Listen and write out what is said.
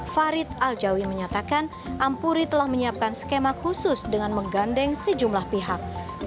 farid aljawi menyatakan ampuri telah menyiapkan skema khusus dengan menggandeng sejumlah pihak